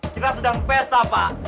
kita sedang pesta pak